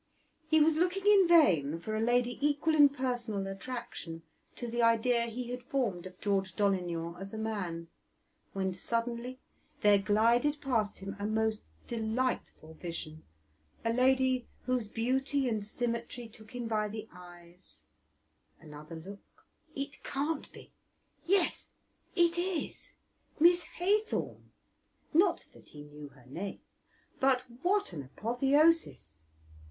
He was looking in vain for a lady equal in personal attraction to the idea he had formed of George Dolignan as a man, when suddenly there glided past him a most delightful vision a lady whose beauty and symmetry took him by the eyes; another look: "It can't be! Yes, it is!" Miss Haythorn! (not that he knew her name), but what an apotheosis!